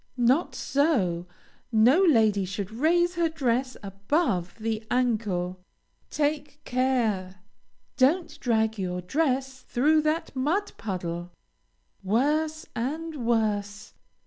Not so! No lady should raise her dress above the ankle. Take care! don't drag your dress through that mud puddle! Worse and worse!